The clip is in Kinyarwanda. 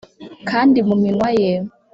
kandi mu minwa ye